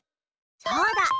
そうだ！